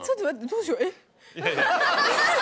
どうしよう！